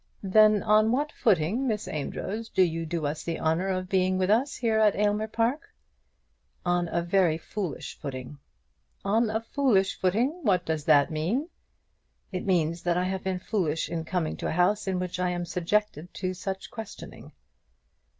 "Then on what footing, Miss Amedroz, do you do us the honour of being with us here at Aylmer Park?" "On a very foolish footing." "On a foolish footing! What does that mean?" "It means that I have been foolish in coming to a house in which I am subjected to such questioning."